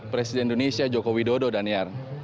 presiden indonesia joko widodo daniar